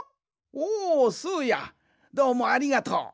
おおスーやどうもありがとう。